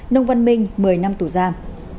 nông văn minh một mươi năm tù giam